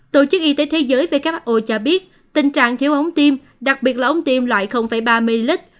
tổ chức y tế thế giới who cho biết tình trạng thiếu ống tiêm đặc biệt là ống tiêm loại ba ml